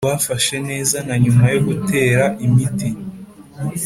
rwafashe neza na nyuma yo gutera imiti yica